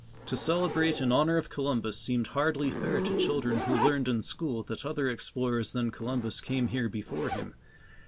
To celebrate in honor of Columbus seemed hardly fair to children who learned in school that other explorers than Columbus came here before him.